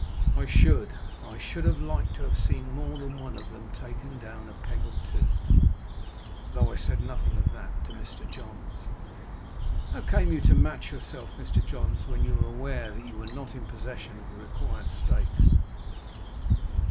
I should. I should have liked to have seen more than one of them taken down a peg or two, though I said nothing of that to Mr. Johns. "How came you to match yourself, Mr. Johns, when you were aware that you were not in possession of the required stakes?"